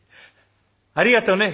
「ありがとね！